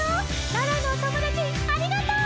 奈良のおともだちありがとう！